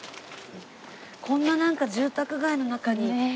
こんななんか住宅街の中にポツンと。